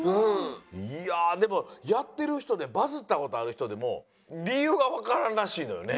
いやでもやってる人でバズったことある人でもりゆうがわからんらしいのよね。